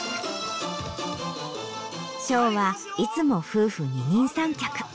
ショーはいつも夫婦二人三脚。